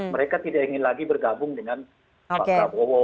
mereka tidak ingin lagi bergabung dengan pak prabowo